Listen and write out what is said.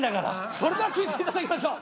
それでは聴いていただきましょう。